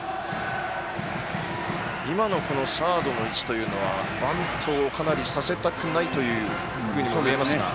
今のサードの位置というのはバントをさせたくないというふうに見えますが。